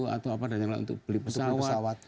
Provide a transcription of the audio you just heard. atau apa dan yang lain untuk beli pesawat